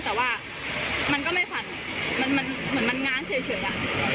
แต่ว่ามันก็ไม่ฝันมันเหมือนมันง้างเฉยอะ